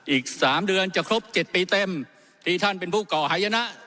อีก๓เดือนจะครบ๗ปีเต็มที่ท่านเป็นผู้ก่อหายนะ